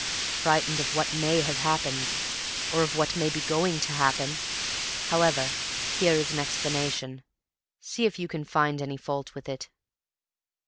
Frightened of what may have happened, of what may be going to happen. However, here is an explanation. See if you can find any fault with it."